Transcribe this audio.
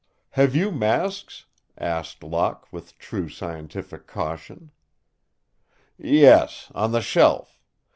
"Have you masks?" asked Locke, with true scientific caution. "Yes on the shelf.